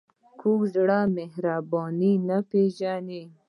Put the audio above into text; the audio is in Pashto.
کوږ زړه مهرباني نه پېژني